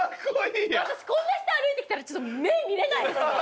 私こんな人歩いてきたらちょっと目見れないですもん。